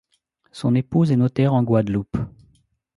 Son épouse est notaire en Guadeloupe.